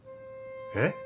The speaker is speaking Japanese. えっ？